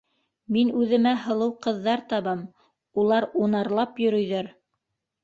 Мин үҙемә һылыу ҡыҙҙар табам, улар унарлап йөрөйҙәр.